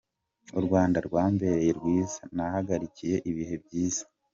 U Rwanda rwambereye rwiza, nahagiriye ibihe byiza.